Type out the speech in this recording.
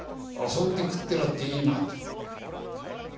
「遊んで食ってらっていいな」っていう。